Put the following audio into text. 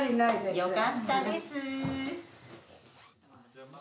よかったです。